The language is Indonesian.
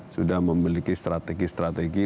sudah memiliki strategi strategi